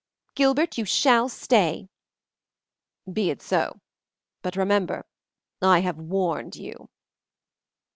Gilbert, you shall stay." "Be it so, but remember I have warned you."